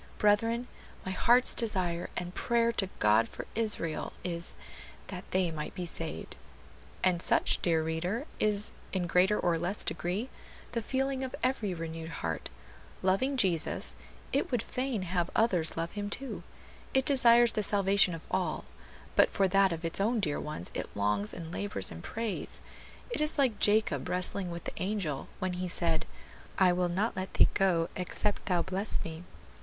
Brethren, my heart's desire and prayer to God for Israel is, that they might be saved." And such, dear reader, is, in greater or less degree, the feeling of every renewed heart; loving Jesus, it would fain have others love Him too; it desires the salvation of all; but for that of its own dear ones it longs and labors and prays; it is like Jacob wrestling with the angel, when he said, "I will not let thee go except thou bless me."